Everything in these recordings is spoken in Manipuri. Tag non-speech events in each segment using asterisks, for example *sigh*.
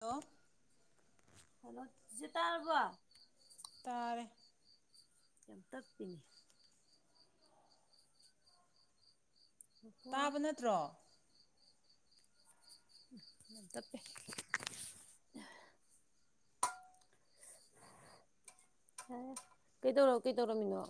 ꯍꯜꯂꯣ ꯍꯂ ꯁꯤꯇꯥꯔꯒ ꯇꯔ ꯆꯝꯇꯥꯄꯤꯅꯤ ꯉꯥꯏꯈꯣꯀꯣ ꯇꯥꯕ ꯅꯠꯇ꯭ꯔꯣ ꯞꯦ ꯀꯩꯗꯧꯔ ꯀꯩꯗꯧꯔꯝꯃꯤꯅꯣ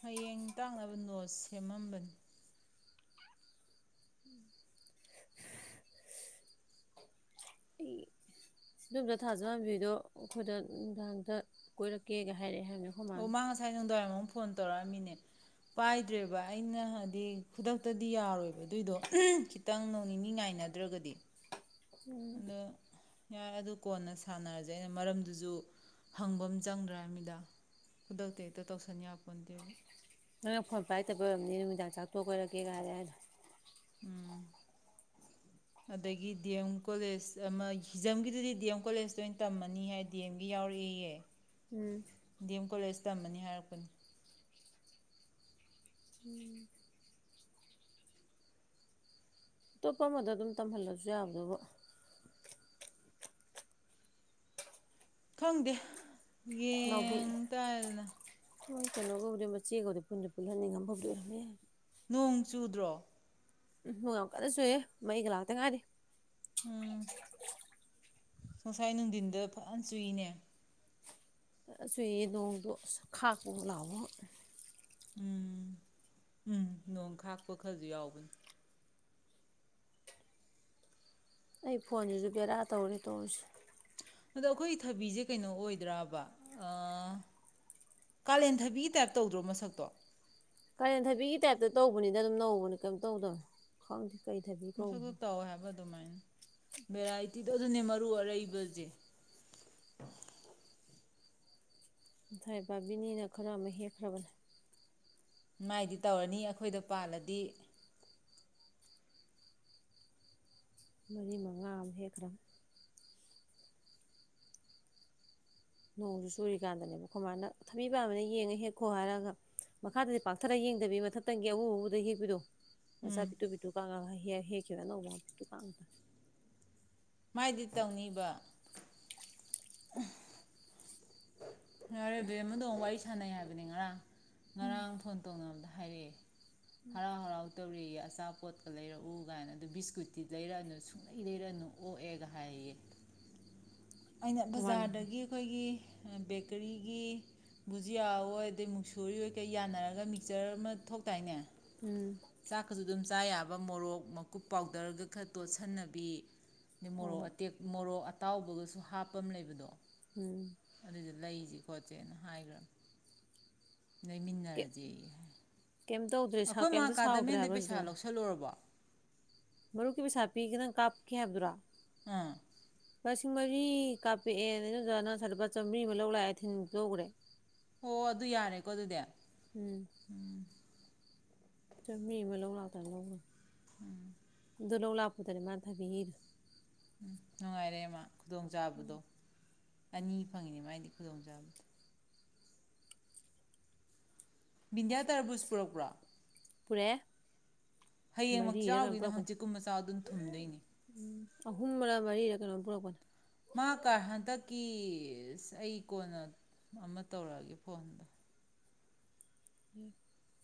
ꯍꯌꯦꯡ ꯇꯥꯛꯅꯕ ꯅꯣꯠ ꯁꯦꯝꯃꯝꯕꯅꯤ ꯎ ꯑꯩ ꯁꯤꯂꯣꯝꯗ ꯊꯥꯖꯍꯝꯕꯤꯗꯣ ꯑꯩꯈꯣꯏꯗ ꯅꯨꯡꯗꯥꯡꯝꯇ ꯀꯣꯏꯔꯛꯀꯦꯒ ꯍꯥꯏꯔꯛꯑꯦ ꯍꯥꯏꯕꯅꯦ ꯑꯩꯈꯣꯏ ꯑꯣ ꯃꯥꯅ ꯃꯥ ꯉꯁꯥꯏ ꯍꯗ ꯐꯣꯟ ꯇꯧꯔꯛꯑꯃꯤꯅꯦ ꯄꯥꯏꯗ꯭ꯔꯦꯕ ꯑꯩꯅ ꯍꯥꯏꯗꯤ ꯈꯨꯗꯛꯇꯗꯤ ꯌꯥꯔꯣꯏꯕ ꯑꯗꯨꯏꯗꯣ ꯈꯤꯇꯪ ꯅꯣꯡ ꯅꯤꯅꯤ ꯉꯥꯏꯅꯗ꯭ꯔꯒꯗꯤ ꯎ ꯑꯗꯣ ꯌꯥꯔꯦ ꯑꯗꯨ ꯀꯣꯟꯅ ꯁꯥꯟꯅꯔꯁꯦ ꯑꯩꯅ ꯃꯔꯝꯗꯨꯁꯨ ꯍꯪꯕ ꯑꯃ ꯆꯪꯗ꯭ꯔꯥ ꯃꯤꯗꯥ ꯈꯨꯗꯛꯇ ꯍꯦꯛꯇ ꯇꯧꯁꯟ ꯌꯥꯄꯣꯟꯠꯇꯦ ꯅꯪꯅ ꯐꯣꯟ ꯄ꯭ꯔꯥꯏꯠꯇꯕ ꯑꯣꯏꯔꯔꯕꯝꯅꯤ ꯅꯨꯃꯤꯗꯥꯡ ꯆꯥꯛꯊꯣꯛ ꯀꯣꯏꯔꯛꯀꯦ ꯀꯥꯏꯔꯦ ꯍꯥꯏꯗꯣ ꯎꯝ ꯑꯗꯒꯤ ꯗꯤ ꯑꯦꯝ ꯀꯣꯂꯦꯖ ꯑꯃ ꯍꯤꯖꯝꯒꯤꯗꯨꯗꯤ ꯗꯤ ꯑꯦꯝ ꯀꯣꯂꯦꯖꯇ ꯑꯣꯏꯅ ꯇꯝꯃꯅꯤ ꯍꯥꯏ ꯗꯤ ꯑꯦꯝꯒꯤ ꯌꯥꯎꯔꯛꯑꯦꯌꯦꯦ ꯎꯝ ꯗꯤꯦꯝ ꯀꯣꯂꯦꯖ ꯇꯝꯃꯅꯤ ꯍꯥꯏꯔꯛꯄꯅꯤ ꯎꯝ ꯑꯇꯣꯞꯄ ꯑꯃꯗ ꯑꯗꯨꯝ ꯇꯝꯍꯜꯂꯁꯨ ꯌꯥꯕꯗꯕ ꯈꯪꯗꯦ ꯌꯦꯡ ꯇꯥꯗꯅ ꯁꯣꯏ ꯀꯩꯅꯣꯒꯧꯗꯤ ꯃꯆꯦꯒꯧꯗꯤꯦ ꯄꯨꯟꯗꯤ ꯄꯨꯛꯍꯟꯅꯤꯡꯉꯕ ꯐꯥꯎꯗꯤꯔꯝꯃꯦ ꯅꯣꯡ ꯆꯨꯗ꯭ꯔꯣ ꯎꯝ ꯌꯥꯝ ꯀꯟꯅ ꯁꯨꯑꯦ ꯃꯩꯒ ꯂꯥꯛꯇ ꯉꯥꯏꯔꯤꯦ ꯎꯝ ꯉꯨꯡꯁꯥꯏ ꯅꯨꯡꯊꯤꯟꯗ ꯐꯖꯅ ꯆꯨꯏꯅꯦ ꯁ ꯅꯣꯡꯗꯣ ꯈꯥ ꯀ ꯂꯥꯎꯑꯣꯣ ꯎꯝ ꯎꯝ ꯅꯣꯡ ꯈꯥꯛꯄ ꯈꯔꯁꯨ ꯌꯥꯎꯕꯅꯤ ꯑꯩ ꯐꯣꯟꯁꯤꯁꯨ ꯕꯦꯔꯥ ꯇꯧꯔꯦ ꯇꯧꯔꯤꯁꯤꯦ ꯑꯗꯣ ꯑꯩꯈꯣꯏꯒꯤ ꯊꯕꯤꯁꯦ ꯀꯩꯅꯣ ꯑꯣꯏꯗ꯭ꯔꯕ ꯀꯥꯂꯦꯟ ꯊꯕꯤꯒꯤ ꯇꯥꯏꯞ ꯇꯧꯗ꯭ꯔꯣ ꯃꯁꯛꯇꯣ ꯀꯥꯂꯦꯟ ꯊꯕꯤꯒꯤ ꯇꯥꯏꯞꯇ ꯇꯧꯕꯅꯤꯅ ꯑꯗꯨꯝ ꯅꯧꯕꯅꯦ ꯀꯩꯝ ꯇꯧꯗꯕꯅ ꯈꯪꯗꯦ ꯀꯩ ꯊꯕꯤ ꯃꯁꯛꯇꯣ ꯀꯧꯕꯅꯣ ꯇꯧꯋꯦ ꯍꯥꯏꯕ ꯑꯗꯨꯃꯥꯏꯅ ꯚꯦꯔꯥꯏꯇꯤꯗ ꯑꯗꯨꯅꯦ ꯃꯔꯨ ꯑꯔꯩꯕꯁꯦ ꯉꯁꯥꯏ ꯄꯥꯕꯤꯅꯤꯅ ꯈꯔ ꯑꯃ ꯍꯦꯛꯈ꯭ꯔꯕꯅꯦ ꯃꯥꯏꯗꯤ ꯇꯧꯔꯅꯤ ꯑꯩꯈꯣꯏꯗ ꯄꯥꯜꯂꯗꯤ ꯃꯔꯤ ꯃꯉꯥ ꯑꯃ ꯍꯦꯛꯈ꯭ꯔꯦ ꯅꯣꯡꯁꯨ ꯆꯨꯔꯤꯀꯥꯟꯗꯅꯦꯕ ꯈꯣꯏ ꯃꯥꯅ ꯊꯕꯤꯕ ꯑꯃꯅ ꯌꯦꯡꯉ ꯍꯦꯛꯈꯣ ꯍꯥꯏꯔꯒ ꯃꯈꯥꯗꯗꯤ ꯄꯥꯛꯊꯔ ꯌꯦꯡꯗꯕꯤ ꯃꯊꯛꯇꯪꯒꯤ ꯑꯎ ꯑꯧꯕꯗ ꯍꯦꯛꯄꯤꯗꯣ ꯃꯆꯥ ꯎꯝ ꯄꯤꯇꯨ ꯄꯤꯇꯨ ꯀ ꯍꯥꯏ ꯍꯦ ꯍꯦꯛ ꯀꯦꯗ ꯅꯧꯕꯀꯤ ꯄꯝꯇ ꯃꯥꯏꯗꯤ ꯇꯧꯅꯤꯕ ꯌꯥꯔꯦ ꯕꯦꯝꯃꯥ ꯗꯣ ꯁꯥꯟꯅꯩ ꯍꯥꯏꯕꯅꯦ ꯉꯔꯥꯡ ꯉꯔꯥꯡ ꯐꯣꯟ ꯇꯧꯅꯕꯗ ꯍꯥꯏꯔꯛ ꯑꯦ ꯍꯔꯥꯎ ꯍꯔꯥꯎ ꯇꯧꯔꯛꯑꯦꯌꯦ ꯑꯆꯥꯄꯣꯠꯀ ꯂꯩꯔꯛꯎ ꯀꯥꯏꯅ ꯑꯗꯨ ꯕꯤꯁꯀꯨꯠꯇꯤ ꯂꯩꯔꯛꯑꯅꯨ ꯁꯨꯡꯂꯩ ꯂꯩꯔꯛꯑꯅꯨ ꯑꯣꯛꯑꯦꯒ ꯍꯥꯏꯌꯦ ꯌꯦ ꯑꯩꯅ ꯃꯃꯥꯅ ꯕꯖꯥꯔꯗꯒꯤ ꯑꯈꯣꯏꯒꯤ ꯕꯦꯀꯔꯤꯒꯤ ꯕꯨꯖꯤꯌꯥꯑꯣꯏ ꯑꯗꯩ ꯃꯨꯛꯁꯨꯔꯤꯑꫭꯏ ꯀꯩ ꯌꯥꯅꯔꯒ ꯃꯤꯛꯆꯔ ꯑꯃ ꯊꯣꯛꯇꯥꯏꯅꯦ ꯎꯝ ꯆꯥꯛꯀꯁꯨ ꯑꯗꯨꯝ ꯆꯥ ꯌꯥꯕ ꯃꯣꯔꯣꯛ ꯃꯀꯨꯞ ꯄꯥꯎꯗꯔꯒ ꯈꯔ ꯇꯣꯠꯁꯟꯅꯕꯤ ꯑ ꯍꯣꯏ ꯃꯣꯔꯣꯛ ꯍꯣꯏ ꯑꯇꯦꯛ ꯃꯣꯔꯣꯛ ꯑꯇꯥꯎꯕꯒꯁꯨ ꯍꯥꯞꯄ ꯑꯃ ꯂꯩꯕꯗꯣ ꯎꯝ ꯑꯗꯨꯏꯗꫭ ꯂꯩꯖꯤ ꯈꯣꯠꯁꯦꯅ ꯍꯥꯏꯈꯔ꯭ ꯕꯅꯦ ꯂꯩꯃꯤꯟꯅꯔꯁꯦꯌꯦ ꯀꯩꯝ ꯇꯧꯗ꯭ꯔꯦ ꯀꯩꯝꯇ ꯁꯥꯎꯗ꯭ꯔꯦ ꯍꯥꯏꯕ꯭ꯔꯥ ꯍꯧꯖꯤꯕ ꯂꯧꯁꯜꯂꯨꯔꯕꯣ ꯃꯔꯨꯞꯀꯤ ꯄꯩꯁꯥ ꯄꯤꯒꯦ ꯅꯪ ꯀꯥꯞꯈꯤ ꯍꯥꯏꯕꯗꯨꯔꫭ ꯑꯥ ꯂꯤꯁꯤꯡ ꯃꯔꯤ ꯀꯥꯞꯄꯛꯑꯦꯅ ꯏꯟꯗꯣꯟꯆꯥꯅ ꯉꯁꯥꯏ ꯂꯨꯄꯥ ꯆꯥꯝꯃꯔꯤ ꯑꯃ ꯂꯧ ꯂꯥꯛꯑꯦ ꯊꯤꯟ ꯊꯤꯟꯒ꯭ꯔꯦ ꯑꫭ ꯑꯗꯨ ꯌꯥꯔꯦꯀꯣ ꯑꯗꯨꯗꯤ ꯎꯝ ꯆꯝꯃꯔꯤ ꯑꯃ ꯂꯧ ꯂꯛꯇꯅ ꯂꯧꯒ꯭ꯔꯦ ꯎꯝ ꯑꯗꯨ ꯂꯧ ꯂꯥꯛꯄꯗꯅꯦ ꯃꯥꯅ ꯊꯕꯤ ꯍꯦꯛꯏꯗꫭ ꯎꯝ ꯅꯨꯡꯉꯥꯏꯔꯦ ꯃꯥ ꯈꯨꯗꯣꯡ ꯆꯥꯕꯗꯣ ꯑꯅꯤ ꯐꯪꯉꯤꯅꯤ ꯃꯥꯏꯗꯤ ꯈꯨꯗꯣꯡꯆꯥꯕꯗꫭ ꯕꯤꯟꯗꯤꯌꯥ ꯇꯔꯕꯨꯁ ꯄꯨꯔꯛꯄ꯭ꯔꫭ ꯄꯨꯔꯛꯑꯦ ꯍꯌꯦꯡꯃꯛ ꯃꯔꯤꯔ ꯀꯩꯅꯣ ꯆꯥꯎꯒꯤꯅꫭ ꯄꯨꯔꯛꯄꯅꯦ ꯍꯥꯛꯡꯆꯤꯠ ꯀꯨꯝꯕ ꯆꯥꯎ ꯑꯗꯨꯅ ꯊꯨꯝꯗꯣꯏꯅꯦ ꯑꯍꯨꯝꯂ ꯃꯔꯤꯔ ꯀꯩꯅꯣꯝ ꯄꯨꯔꯛꯄꯅꯦ ꯃꯥ ꯀꯥ ꯍꯟꯗꯛ ꯀꯤ ꯑꯩ ꯀꯣꯟꯅ ꯑꯃ ꯇꯧꯔꯛꯑꯒꯦ ꯐꯣꯟꯗꯣ *unintelligible*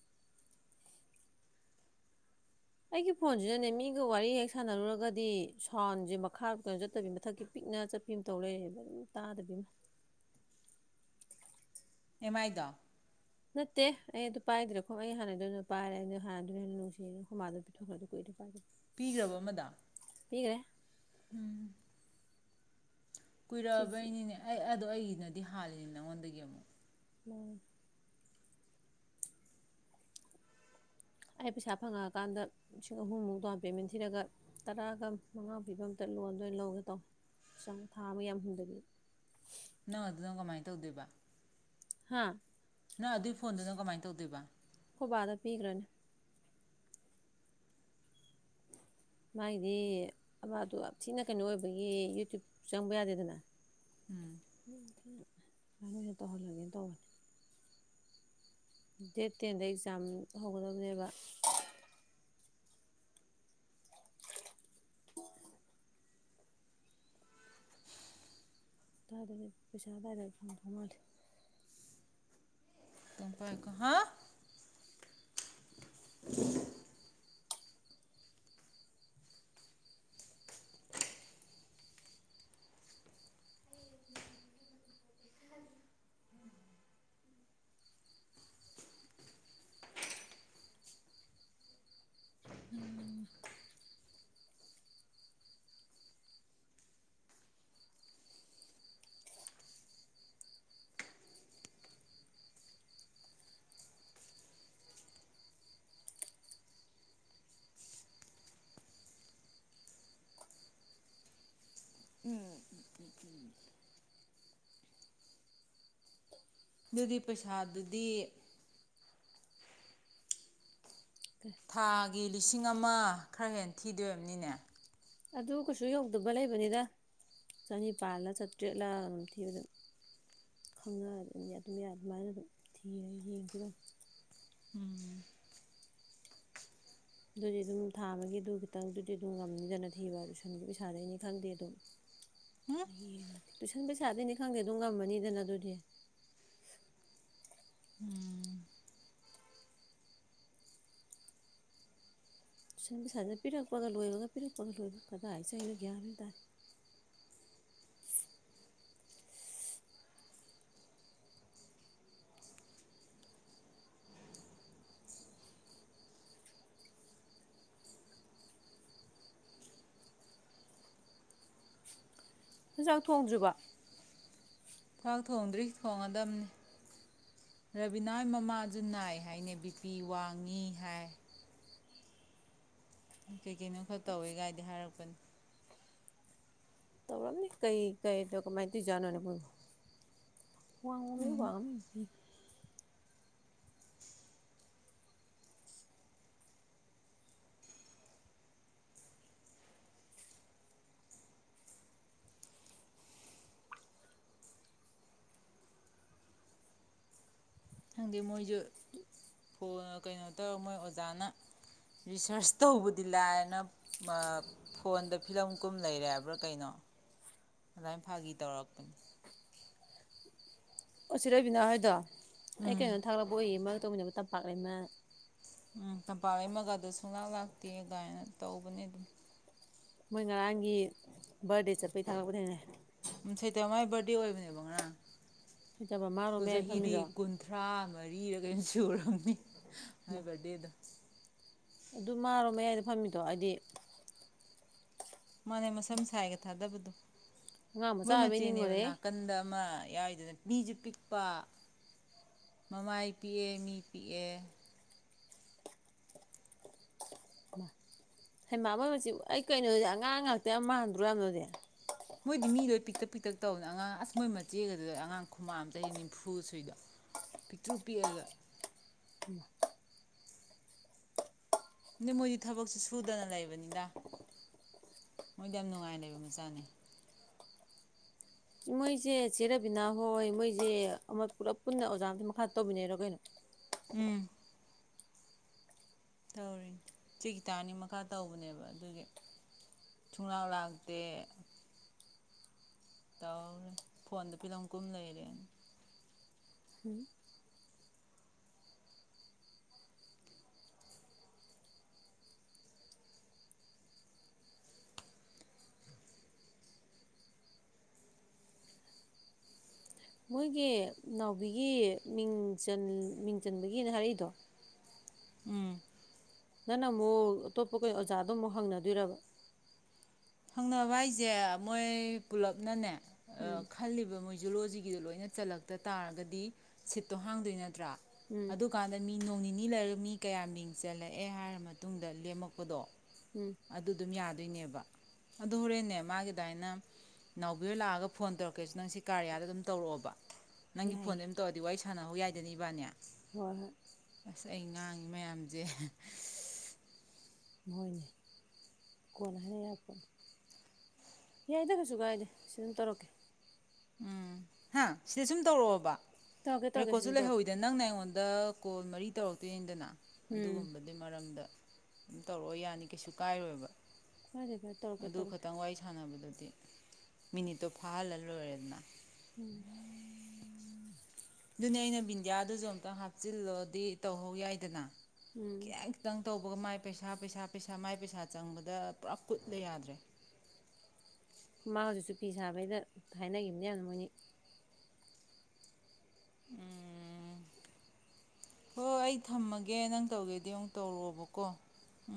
ꯑꯩꯒꯤ ꯐꯣꯟꯖꯤꯅꯅꯦ ꯃꯤꯒ ꯋꯥꯔꯤ ꯍꯦꯛ ꯁꯥꯟꯅꯔꯨꯔꯒꯗꯤ ꯁꯥꯎꯟꯖꯦ ꯃꯈꯥ ꯀꯩꯅꯣ ꯆꯠꯇꯕꯤ ꯃꯊꯛꯀꯤ ꯄꯤꯛꯅ ꯆꯠꯄꯤ ꯑꯃ ꯇꯧ ꯂꯩꯔꯦꯕ ꯑꯗꯨꯝ ꯇꯥꯗꯕꯤ ꯑꯃ ꯑꯦꯄꯥꯏꯗꫭ ꯅꯠꯇꯦ ꯑꯩ ꯑꯗꯨ ꯄꯥꯏꯗ꯭ꯔꯦ ꯑꯈꫭꯏ ꯑꯩ ꯍꯥꯟꯅꯩꯗꯣ ꯑꯗꯨꯝ ꯄꯥꯏꯔꯦ ꯑꯩ ꯍꯥꯟꯅꯩꯗꯨꯅ ꯍꯦꯟꯅ ꯅꯨꯡꯁꯤꯌꯦꯅ ꯑꯈꫭꯏ ꯃꯥꯗ ꯃꯤꯊꫭꯛꯈ꯭ꯔꯦ ꯑꯗꯨ ꯀꯨꯏꯔꯦ ꯄꯥꯏꯗꯕ ꯄꯤꯒ꯭ꯔꯕ ꯑꯃꯗꫭ ꯃꯤꯒ꯭ꯔꯦ ꯎꯝ ꯁꯤꯁꯦ ꯀꯨꯏꯔꯛꯑꯕꯩꯅꯤꯅꯦ ꯑꯩ ꯑꯗꯣ ꯑꯩꯒꯤꯅꯗꯤ ꯗꯤ ꯍꯥꯜꯂꯤꯅꯤ ꯅꯉꯣꯟꯗꯒꯤ ꯑꯃꯨꯛ ꯃꯥꯅꯦ ꯑꯩ ꯄꯩꯁꯥ ꯐꯪꯉꯛꯑꯀꯥꯟꯗ ꯂꯤꯁꯤꯡ ꯑꯍꯨꯝꯃꯨꯛ ꯗꯥꯎꯟ ꯄꯦꯃꯦꯟ ꯊꯤꯔꯒ ꯇꯔꯥꯒ ꯃꯉꯥꯃꯨꯛ ꯄꯤꯕ ꯑꯝꯇ ꯂꯣꯟꯗ ꯑꯣꯏꯅ ꯂꯧꯒꯦ ꯇꯧꯕꯅꯤ ꯊꯥ ꯑꯃ ꯌꯥꯍꯨꯝꯗꯒꯤ ꯇꯧꯗꫭꯏꯕ ꯍꯥꯥ ꯀꯃꯥꯏꯅ ꯇꯧꯗꯣꯏꯕ ꯑꯥꯈꫭꯏ ꯕꯥꯅ ꯄꯤꯈ꯭ꯔꯅꯤ ꯃꯥꯒꯤꯗꯤ ꯑꯕꯥꯗꯨ ꯌꯥꯝ ꯊꯤꯅ ꯀꯩꯅꯣ ꯑꯣꯏꯕꯒꯤ ꯌꯨꯇ꯭ꯌꯨꯞ ꯆꯪꯕ ꯌꯥꯗꯦꯗꯅ *unintelligible* ꯑꯣꯏꯗꯍ ꯇꯧꯍꯜꯂꯒꯦ ꯇꯧꯕꯅꯤ ꯗꯦꯠ ꯇꯦꯟꯗ ꯑꯦꯛꯖꯥꯝ ꯍꯧꯒꯗꯕꯅꯦꯕ *unintelligible* ꯄꯩꯁꯥ ꯑꯗꯥꯏꯗ ꯐꯪꯉꯛꯇꯧ ꯃꯥꯜꯂꯦ *unintelligible* ꯍꯥ *unintelligible* ꯎꯝ *unintelligible* ꯑꯗꯨꯗꯤ ꯄꯩꯁꯥꯗꯨꯗꯤ ꯊꯥꯒꯤ ꯂꯤꯁꯤꯡ ꯑꯃ ꯈꯔ ꯍꯦꯟ ꯊꯤꯗꯣꯏ ꯑꫭꯏꯔꯝꯅꯤꯅꯦ ꯑꯗꯨ ꯀꯩꯁꯨ ꯌꯧꯗꯕ ꯂꯩꯕꯅꯤꯗ ꯆꯅꯤꯄꯥꯜꯂ ꯆꯥꯇ꯭ꯔꯦꯠꯂ ꯑꯗꯨꯝ ꯊꯤꯕ ꯑꯗꯨꯝ ꯈꯪꯅ ꯑꯗꯨ ꯑꯗꯨꯝ ꯑꯗꯨꯃꯥꯏꯅ ꯑꯗꯨꯝ ꯊꯤꯔ ꯌꯦꯡꯈꯤ ꯑꯗꯨꯝ ꯑꯗꯨꯗꯤ ꯑꯗꯨꯝ ꯊꯥ ꯑꯃꯒꯤ ꯑꯗꯨ ꯈꯤꯇꯪꯗꯨꯗꯤ ꯑꯗꯨꯝ ꯉꯝꯅꯤꯗꯅ ꯊꯤꯕ ꯇꯨꯏꯁꯟꯒꯤ ꯄꯩꯁꯥꯗꯩꯅꯤ ꯈꯪꯗꯦ ꯑꯗꯨꯝ ꯎꯝ ꯇꯨꯏꯁꯟ ꯄꯩꯁꯥꯗꯩꯅꯤ ꯈꯪꯗꯦ ꯑꯗꯨꯝ ꯉꯝꯃꯅꯤꯗꯅ ꯑꯗꯨꯗꯤ ꯇꯨꯏꯁꯟ ꯄꯩꯁꯥꯖꯤꯅ ꯄꯤꯔꯛꯄꯒ ꯂꯣꯏꯕꯒ ꯄꯤꯔꯛꯄꯒ ꯂꯣꯏꯕꯒ ꯀꯗꯥꯏ ꯆꯠꯈ꯭ꯔꯤꯅꫭ ꯒ꯭ꯌꯥꯟ ꯃꯦꯟ ꯇꯗꯦ ꯅꫭꯏꯆꯛ ꯊꯣꯡꯗ꯭ꯔꯤꯕꫭ ꯆꯥꯛ ꯊꯣꯡꯗ꯭ꯔꯤ ꯊꯣꯡꯉ ꯗꯝꯅꯤ ꯔꯕꯤꯅꯥꯍꫭꯏ ꯃꯃꯥꯁꯨ ꯅꯥꯏ ꯍꯥꯏꯅꯦ ꯕꯤ ꯄꯤ ꯋꯥꯡꯉꯤ ꯍꯥꯏ ꯀꯩꯀꯩꯅꯣ ꯈꯔ ꯇꯧꯋꯦ ꯒꯥꯏꯗꯤ ꯍꯥꯏꯔꯛꯄꯅꯤ ꯇꯧꯔꯝꯅꯤ ꯀꯩ ꯀꯩꯗꯣ ꯀꯃꯥꯏꯅ ꯇꯧꯖꯥꯠꯅꯣꯅꯦ ꯃꫭꯏꯕꫭ *unintelligible* ꯅꯨꯃꯤꯒ ꯈꯪꯗꯦ ꯃꯣꯏꯖꯨ ꯐꯣꯟ ꯀꯩꯅꯣ ꯇꯧꯔꯒ ꯃꯣꯏ ꯑꯣꯖꯥꯅ ꯔꯤꯁꯥꯔꯁ ꯇꯧꯕꯗꯤ ꯂꯥꯏꯑꯅ ꯐꯣꯟꯗ ꯐꯤꯂꯝ ꯀꯨꯝ ꯂꯩꯔꯦ ꯍꯥꯏꯕ꯭ꯔꯥ ꯀꯩꯅꯣ ꯑꯗꯨꯃꯥꯏꯅ ꯐꯥꯒꯤ ꯇꯧꯔꯛꯄꯅꯤ ꯑꯣ ꯆꯦ ꯔꯕꯤꯅꯥ ꯍꫭꯏꯗꫭ ꯑꯩ ꯎꯝ ꯀꯩꯅꯣ ꯊꯥꯛꯂꯛꯄ ꯑꯣꯏꯌꯦ ꯃꯔ ꯇꯧ ꯃꯤꯅꯕ ꯇꯝꯄꯥꯛ ꯂꯩꯃꯥ ꯎꯝ ꯇꯝꯄꯥꯛ ꯂꯩꯃꯒꯗ ꯁꯨꯡꯂꯥꯛ ꯂꯥꯛꯇꯦ ꯒꯥꯏꯅ ꯇꯧꯕꯅꯦ ꯑꯗꯨꯝ ꯃꯣꯏ ꯉꯔꯥꯡꯒꯤ ꯕꯥꯔꯗꯦ ꯆꯠꯄꯩ ꯊꯥꯒꯠ ꯂꯛꯄꯥ ꯊꯦꯡꯅꯩ ꯎꯝ ꯁꯩꯇꯥꯃꯥꯏ ꯕꯥꯔꯗꯦ ꯑꯣꯏꯕꯅꯦꯕ ꯉꯔꯥꯡ ꯍꯩꯇꯕ ꯃꯥꯔꯣ ꯃꯥꯌꯥꯏ ꯐꯝꯃꯤꯗꯣ ꯃ ꯔꯤꯔꯛ ꯀꯩꯅꫭ ꯁꯨꯔꯥꯃꯅꯤ ꯃꯥꯏ ꯕꯥꯔꯗꯦꯗꫭ ꯑꯗꯨ ꯃꯥꯔꯣ ꯃꯌꯥꯏꯗ ꯐꯝꯃꯤꯗꯣ ꯑꯩꯗꯤ ꯃꯅꯦ ꯃꯁꯝ ꯁꯥꯏꯒ ꯊꯥꯗꯕꯗꯨꯨ ꯑꯉꯥꯡ ꯃꯆꯥ ꯃꯣꯏ ꯑꯣꯏꯕꯩ ꯃꯆꯦꯅꯦꯕ ꯅꯤꯡꯉꯨꯔꯦ ꯅꯥꯀꯟꯗ ꯑꯃ ꯃꯥꯌꯥꯏꯗꯨꯅ ꯃꯤꯁꯨ ꯄꯤꯛꯄ ꯃꯃꯥꯏ ꯄꯤꯛꯑꯦ ꯃꯤ ꯄꯤꯛꯑꯦ ꯃꯥ ꯍꯩꯃꯥ ꯃꫭꯏꯃꯥꯆꯦ ꯑꯩ ꯀꯩꯅꯣꯗꯨꯗꯤ ꯑꯉꯥꯡ ꯉꯥꯛꯇ ꯌꯥꯝ ꯃꯥꯟꯗ꯭ꯔꯣ ꯌꯥꯝ ꯑꯗꯨꯗꯤ ꯃꯣꯏꯗꯤ ꯃꯤ ꯂꯣꯏ ꯄꯤꯛꯇꯛ ꯄꯤꯛꯇꯛ ꯇꯧꯕꯅꯤ ꯑꯉꯥꯡ ꯑꯁ ꯃꯣꯏ ꯃꯆꯦꯒꯗꯨꯗ ꯑꯉꯥꯡ ꯈꯨꯃꯥꯟ ꯑꯃ ꯆꯥꯍꯤ ꯅꯤꯐꯨ ꯁꯨꯏꯗꫭ ꯃꯤꯛꯇ꯭ꯔꯨ ꯃꯤꯛꯑꯒ ꯎꯝ *unintelligible* ꯑ ꯃꯣꯏꯗꯤ ꯊꯕꯛꯁꯦ ꯁꯨꯗꯅ ꯂꯩꯕꯅꯤꯗ ꯃꯣꯏꯗ ꯌꯥꯝ ꯅꯨꯡꯉꯥꯏ ꯂꯩꯕ ꯃꯆꯥꯅꯤ ꯃꯣꯏꯁꯦ ꯆꯦꯔꯕꯤꯅꯥ ꯍꯣꯏ ꯃꯣꯏꯁꯦ ꯑꯃ ꯄꯨꯂꯞ ꯄꯨꯟꯅ ꯑꯣꯖꯥ ꯑꯇ ꯃꯈꯥ ꯇꯧꯕꯤꯟꯅꯔꯣ ꯀꯩꯅꯣ ꯎꯝ ꯇꯧꯔꯤꯅꯦ ꯆꯒꯤ ꯇꯔꯅꯤ ꯃꯈꯥ ꯇꯧꯕꯅꯦꯕ ꯑꯗꯨꯒꯤ ꯊꯣꯡꯂꯥꯎ ꯂꯥꯛꯇꯦ ꯇꯧꯔꯦ ꯐꯣꯟꯗ ꯐꯤꯂꯝ ꯀꯨꯝ ꯂꯩꯔꯦꯅ ꯍꯝ ꯃꯣꯏꯒꯤ ꯅꯥꯎꯕꯤꯒꯤ ꯃꯤꯡꯆꯟ ꯃꯤꯡ ꯆꯟꯕꯒꯤꯅ ꯍꯥꯏꯔꯛꯏꯗꯣ ꯎꯝ ꯅꯪꯅ ꯑꯃꯨꯛ ꯑꯇꯣꯞꯄ ꯀꯩ ꯑꯣꯖꯥꯗꯣ ꯑꯃꯨꯛ ꯍꯪꯅꯗꯣꯏꯔꯕ ꯈꯪꯅꯕ ꯍꯥꯏꯁꯦ ꯃꯣꯏ ꯄꯨꯂꯞꯅꯅꯦ ꯑ ꯎꯝ ꯈꯜꯂꯤꯕ ꯃꯣꯏ ꯖꯨꯂꯣꯖꯤ ꯒꯤꯗꯣ ꯂꯣꯏꯅ ꯆꯜꯂꯛꯇ ꯇꯥꯔꯒꯗꯤ ꯁꯤꯠꯇꯣ ꯍꯥꯡꯗꯣꯏ ꯅꯠꯇ꯭ꯔꯥ ꯎꯝ ꯑꯗꯨꯀꯥꯟꯗ ꯃꯤ ꯅꯣꯡ ꯑꯅꯤ ꯂꯔꯛꯃꯤ ꯀꯌꯥ ꯃꯤꯡ ꯆꯜꯂꯛꯑꯦ ꯍꯥꯏꯔ ꯃꯇꯨꯡꯗ ꯂꯦꯝꯃꯛꯄꯗꯣ ꯎꯝ ꯑꯗꯨ ꯑꯗꯨꯝ ꯌꯥꯗ ꯑꯗꯨꯅꯦꯕ ꯑꯗꯨ ꯍꯣꯔꯦꯟꯅꯦ ꯃꯥꯒꯤꯗ ꯃꯥꯏꯅ ꯅꯥꯎꯕꯤꯔ ꯂꯥꯛꯑꯒ ꯐꯣꯟ ꯇꯧꯔꯛꯀꯦꯁꯨ ꯅꯪ ꯁꯤ ꯀꯥꯔꯌꯥꯗ ꯑꯗꯨꯝ ꯇꯧꯔꯛꯑꯣꯕ ꯅꯪꯒꯤ ꯌꯥꯏꯌꯦ ꯐꯣꯟꯗꯩꯩ ꯑꯗꯨꯝ ꯇꯧꯔꯗꯤ ꯋꯥꯔꯤ ꯁꯥꯟꯅꯍꯧ ꯌꯥꯏꯗꯅ ꯏꯕꯅꯤ ꯍꯣꯏ ꯑꯁ ꯑꯩ ꯉꯥꯡꯉꯤ ꯃꯌꯥꯝꯁꯦ ꯃꯣꯏꯅꯦ ꯀꯣꯟꯅ ꯍꯥꯏꯅ ꯌꯥꯕ ꯄꯣꯠꯅꯤ ꯌꯥꯏꯗ ꯀꯩꯁꯨ ꯀꯥꯏꯗꯦ ꯁꯤ ꯑꯗꯨꯝ ꯇꯧꯔꯛꯀꯦ ꯎꯝ ꯍꯥ ꯁꯤꯗ ꯁꯨꯝ ꯇꯧꯔꯛꯑꯣꯕ ꯇꯧꯔꯛꯀꯦ ꯇꯧꯔꯛꯀꯦ ꯁꯤ ꯔꯦꯀꯣꯠꯁꯨ ꯑꯗꯨꯝ ꯇꯧꯔꯛꯀꯦ ꯂꯩꯍꯧꯋꯤꯗꯦ ꯅꯪꯅꯦ ꯑꯩꯉꯣꯟꯗ ꯀꯣꯜ ꯃꯔꯤ ꯇꯧꯔꯛꯇꯣꯏꯅꯦꯗꯅ ꯎꯝ ꯑꯗꯨꯒꯨꯝꯕꯗꯤ ꯃꯔꯝꯗ ꯑꯗꯨꯝ ꯇꯧꯔꯛꯑꯣ ꯌꯥꯅꯤ ꯀꯩꯁꯨ ꯀꯥꯏꯔꯣꯏꯕ ꯀꯥꯏꯗꯦ ꯀꯥꯏꯗꯦ ꯇꯧꯔꯛꯀꯦ ꯑꯗꯨ ꯇꯧꯔꯛꯀꯦ ꯈꯇꯪ ꯋꯥꯔꯤ ꯁꯥꯟꯅꯕꯗꯗꯤ ꯃꯤꯅꯤꯠꯇꯣ ꯐꯥꯍꯜꯂ ꯂꯣꯏꯔꯦꯗꯅ ꯎ ꯑꯗꯨꯅꯦ ꯑꯩꯅ ꯕꯤꯟꯗꯤꯌꯥꯗꯨꯁꯨ ꯑꯨꯛꯇꯪ ꯍꯥꯞꯆꯤꯜꯂꯣꯗꯤ ꯇꯧꯍꯧ ꯌꯥꯏꯗꯅ ꯎꯝ ꯈꯤꯇ ꯈꯤꯇꯪ ꯇꯧꯕꯒ ꯃꯥꯏ ꯄꯩꯁꯥ ꯄꯩꯁꯥ ꯄꯩꯁꯥ ꯃꯥꯏ ꯄꯩꯁꯥ ꯆꯪꯕꯗ ꯄꯨꯔꯥ ꯀꯨꯠꯂ ꯌꯥꯗ꯭ꯔꯦ ꯈꯨꯃꯥ ꯍꯧꯖꯤꯛꯁꯨꯨꯄꯤꯤ ꯁꯥꯕꯩꯗ ꯍꯥꯏꯅꯈꯤꯕꯅꯦꯅ ꯃꯣꯏꯅꯤ ꯎꯝ ꯍꯣꯏ ꯑꯩ ꯊꯝꯃꯒꯦ ꯅꯪ ꯇꯧꯒꯦꯗꯤ ꯑꯃꯨꯛ ꯇꯧꯔꯣꯕꯀꯣ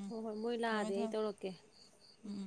ꯍꯣꯏ ꯍꯣꯏ ꯃꯣꯏ ꯂꯥꯛꯑꯗꯤ ꯑꯩ ꯇꯧꯔꯛꯀꯦ ꯎꯝ